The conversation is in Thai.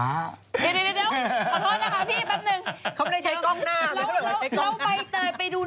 เดี๋ยวว่าขอโทษนะคะพี่แปปนึง